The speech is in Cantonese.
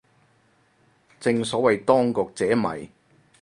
正所謂當局者迷